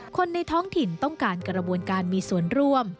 คนในท้องถิ่นต้องการกระบวนการมีส่วนร่วม